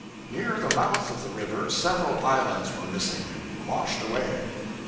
Near the mouth of the river several islands were missing washed away.